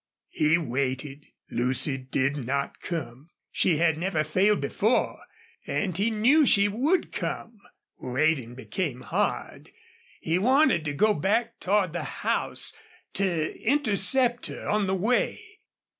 He waited. Lucy did not come. She had never failed before and he knew she would come. Waiting became hard. He wanted to go back toward the house to intercept her on the way.